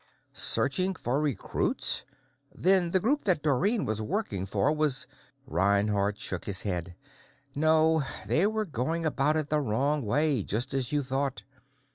"Searching for recruits? Then the Group that Dorrine was working for was " Reinhardt shook his head. "No. They were going about it the wrong way, just as you thought.